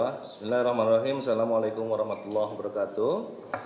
bismillahirrahmanirrahim assalamu'alaikum warahmatullahi wabarakatuh